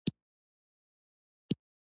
بیزو د خپل چاپېریال سره ژر عادت کېږي.